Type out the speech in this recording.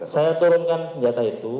saya turunkan senjata itu